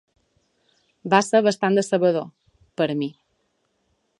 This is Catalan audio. Va ser bastant decebedor, per mi.